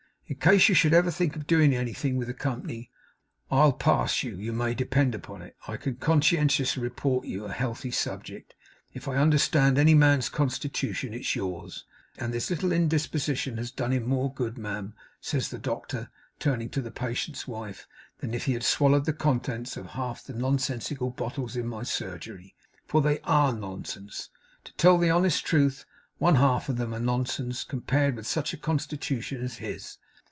In case you should ever think of doing anything with the company, I'll pass you, you may depend upon it. I can conscientiously report you a healthy subject. If I understand any man's constitution, it is yours; and this little indisposition has done him more good, ma'am,' says the doctor, turning to the patient's wife, 'than if he had swallowed the contents of half the nonsensical bottles in my surgery. For they ARE nonsense to tell the honest truth, one half of them are nonsense compared with such a constitution as his!